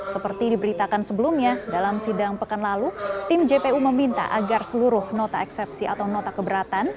seperti diberitakan sebelumnya dalam sidang pekan lalu tim jpu meminta agar seluruh nota eksepsi atau nota keberatan